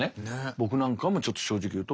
僕なんかもちょっと正直言うと。